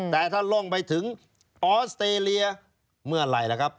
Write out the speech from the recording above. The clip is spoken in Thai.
แต่ถ้าล่องไปถึงออสเตรเลียเมื่อไหร่ล่ะครับ